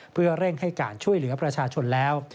เพื่อเร่งให้การช่วยเหลือประชาชนแล้ว